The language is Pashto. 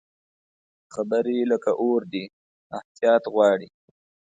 خبرې لکه اور دي، احتیاط غواړي